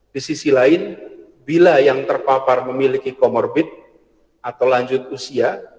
di sisi lain bila yang terpapar memiliki comorbid atau lanjut usia